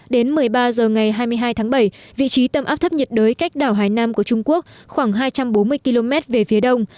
đến một mươi ba h ngày hai mươi hai tháng bảy vị trí tâm áp thấp nhiệt đới cách đảo hải nam của trung quốc khoảng hai trăm bốn mươi km về phía đông